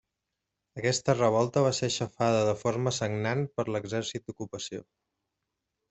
Aquesta revolta va ser aixafada de forma sagnant per l'exèrcit d'ocupació.